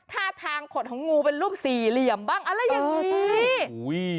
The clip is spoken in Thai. ท่าทางขดของงูเป็นรูปสี่เหลี่ยมบ้างอะไรอย่างนี้